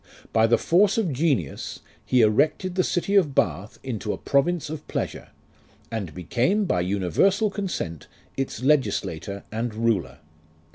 By the force of genius He erected the city of Bath into a province of pleasure, And became, by universal consent, Its legislator and ruler.